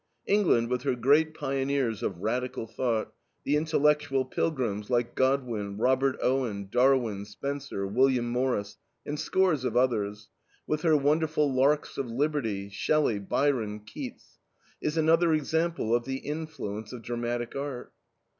England with her great pioneers of radical thought, the intellectual pilgrims like Godwin, Robert Owen, Darwin, Spencer, William Morris, and scores of others; with her wonderful larks of liberty Shelley, Byron, Keats is another example of the influence of dramatic art.